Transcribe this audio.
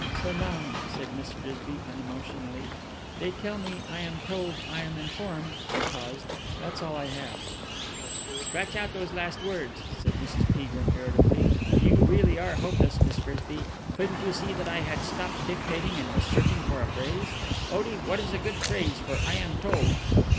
'" "'Salon,'" said Miss Frisby unemotionally. "They tell me, I am told, I am informed....'" She paused. "That's all I have." "Scratch out those last words," said Mrs. Peagrim irritably. "You really are hopeless, Miss Frisby! Couldn't you see that I had stopped dictating and was searching for a phrase? Otie, what is a good phrase for 'I am told'?"